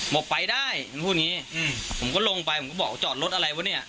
บอกไปได้มันพูดงี้อืมผมก็ลงไปผมก็บอกว่าจอดรถอะไรวะเนี้ย